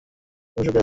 তুমি সুখে আছো?